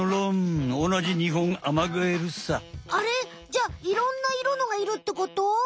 じゃあいろんな色のがいるってこと？